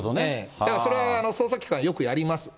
それは捜査機関、よくやります。